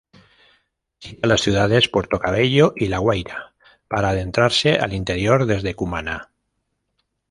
Visita las ciudades Puerto Cabello y La Guaira, para adentrarse al interior desde Cumaná.